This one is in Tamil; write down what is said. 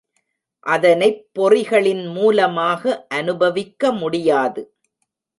அதனைப் பொறிகளின் மூலமாக அநுபவிக்க முடியாது.